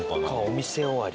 お店終わり？